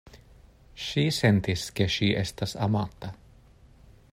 Ŝi sentis, ke ŝi estas amata.